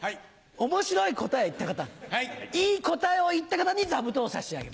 面白い答えを言った方いい答えを言った方に座布団を差し上げます。